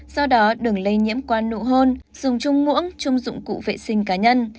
do đó đường lây nhiễm qua nụ hôn dùng chung muỗng chung dụng cụ vệ sinh cá nhân